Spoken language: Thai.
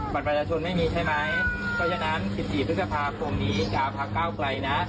บัตรประยาชนไม่มีใช่ไหมเพราะฉะนั้น๑๔พฤษภาคมนี้กะปักก้าวไกลนะ